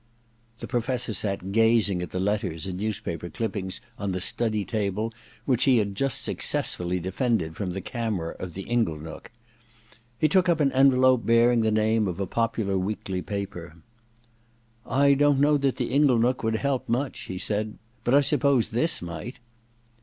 The Professor sat gazmg at the letters and newspaper clippings on the study table which he had just successfully defended from the camera of the Inglenook. He took up an envelope bearing the name of a popular weekly paper. * I don't know that the Inglenook would help much,' he said, * but I suppose this might.'